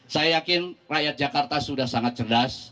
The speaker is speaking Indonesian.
saya yakin rakyat jakarta sudah sangat cerdas